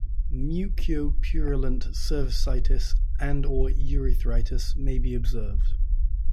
Mucopurulent cervicitis and or urethritis may be observed.